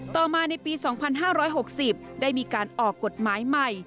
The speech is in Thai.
ต่อมาในปี๒๕๖๐ได้มีการออกกฎหมายใหม่